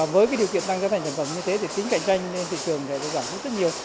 với cái điều kiện tăng giá thành sản phẩm như thế thì tính cạnh tranh lên thị trường sẽ giảm rất nhiều